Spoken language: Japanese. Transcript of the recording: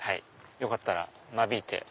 よかったら間引いて。